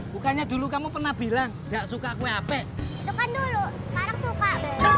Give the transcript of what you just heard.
bukannya dulu kamu pernah bilang gak suka kue hp itu kan dulu sekarang suka